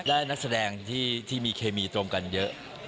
นักแสดงที่มีเคมีตรงกันเยอะ